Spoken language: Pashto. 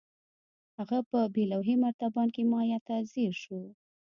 هغه په بې لوحې مرتبان کې مايع ته ځير شو.